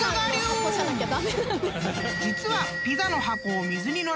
［実は］